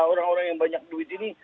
orang orang yang banyak duit ini